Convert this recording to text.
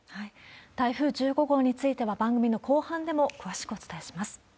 台風１５号については、番組の後半でも詳しくお伝えします。